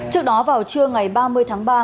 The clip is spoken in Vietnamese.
trước đó vào trưa ngày ba mươi tháng ba